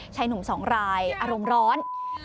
ชายหนุ่มสองรายอารมณ์ร้อน